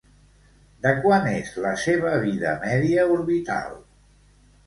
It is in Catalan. De quant és la seva vida-media orbital?